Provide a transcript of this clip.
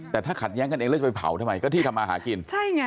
แต่ถ้าขัดแย้งกันเองแล้วจะไปเผาทำไมก็ที่ทำมาหากินใช่ไง